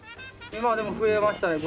今はでも増えましたね。